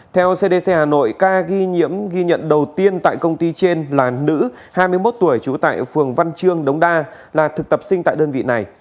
theo cdc hà nội ca ghi nhiễm ghi nhận đầu tiên tại công ty trên là nữ hai mươi một tuổi trú tại phường văn trương đống đa là thực tập sinh tại đơn vị này